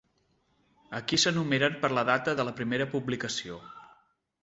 Aquí s'enumeren per la data de la primera publicació.